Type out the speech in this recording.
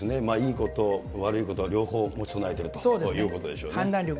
いいこと、悪いこと、両方備えてるということでしょうね。